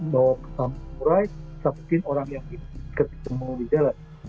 bawa ke tamu murai dapetin orang yang ketemu di dalam